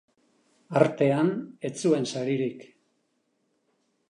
Artean ez zuen saririk.